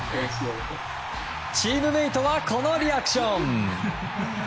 チームメートはこのリアクション。